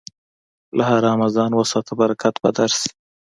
له حرامه ځان وساته، برکت به درشي.